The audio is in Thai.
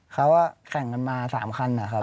เขาว่าแข่งกันมาสามคันอ่ะครับ